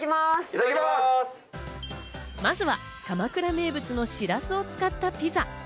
まずは鎌倉名物のしらすを使ったピザ。